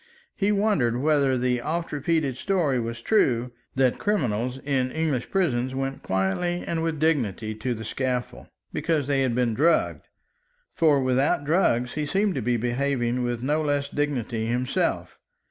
He wondered whether the oft repeated story was true, that criminals in English prisons went quietly and with dignity to the scaffold, because they had been drugged. For without drugs he seemed to be behaving with no less dignity himself.